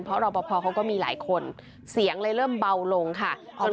เพราะรอปภเขาก็มีหลายคนเสียงเลยเริ่มเบาลงค่ะ